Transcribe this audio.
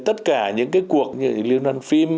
tất cả những cái cuộc như liên hoan phim